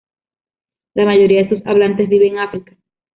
La mayoría de sus hablantes vive en África.